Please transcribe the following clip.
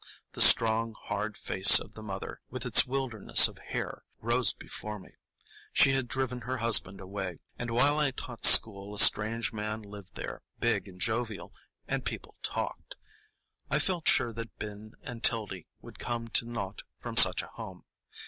The strong, hard face of the mother, with its wilderness of hair, rose before me. She had driven her husband away, and while I taught school a strange man lived there, big and jovial, and people talked. I felt sure that Ben and 'Tildy would come to naught from such a home.